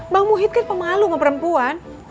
bang muhid kan pemalu sama perempuan